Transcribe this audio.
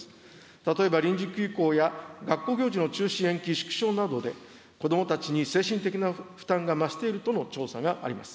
例えば臨時休校や学校行事の中止、延期、縮小などで、子どもたちに精神的な負担が増しているとの調査があります。